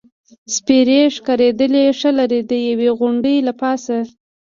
سپېرې ښکارېدلې، ښه لرې، د یوې غونډۍ له پاسه.